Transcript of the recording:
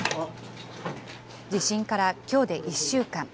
地震からきょうで１週間。